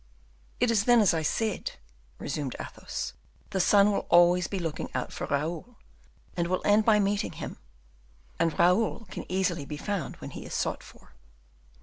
"It is, then, as I said," resumed Athos, "the son will always be looking out for Raoul, and will end by meeting him; and Raoul can easily be found when he is sought for."